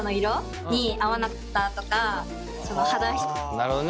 なるほどね。